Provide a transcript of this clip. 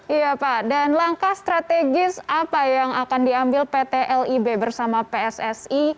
iya pak dan langkah strategis apa yang akan diambil pt lib bersama pssi